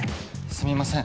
すみません。